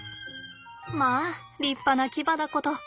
まあ立派な牙だこと。